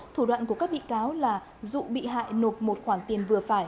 thủ đoạn của các bị cáo là dụ bị hại nộp một khoản tiền vừa phải